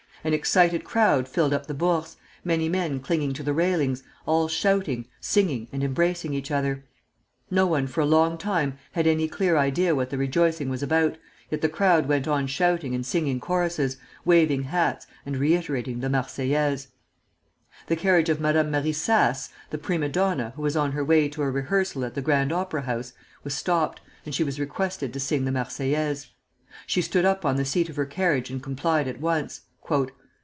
An excited crowd filled up the Bourse, many men clinging to the railings, all shouting, singing, and embracing each other. No one for a long time had any clear idea what the rejoicing was about, yet the crowd went on shouting and singing choruses, waving hats, and reiterating the "Marseillaise." The carriage of Madame Marie Sasse, the prima donna, who was on her way to a rehearsal at the Grand Opera House, was stopped, and she was requested to sing the "Marseillaise." She stood up on the seat of her carriage and complied at once.